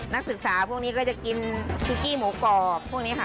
นักศึกษาพวกนี้ก็จะกินพิกกี้หมูกรอบพวกนี้ค่ะ